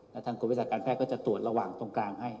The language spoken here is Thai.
แล้วทางกรมวิทยาการแพทย์ก็จะตรวจระหว่างตรงกลางให้